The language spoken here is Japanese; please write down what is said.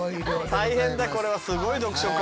大変だこれはすごい読書家。